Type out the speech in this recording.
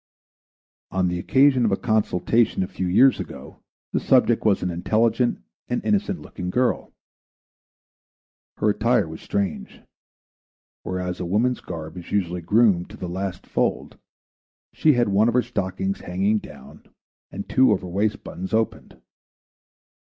On the occasion of a consultation a few years ago the subject was an intelligent and innocent looking girl. Her attire was strange; whereas a woman's garb is usually groomed to the last fold, she had one of her stockings hanging down and two of her waist buttons opened.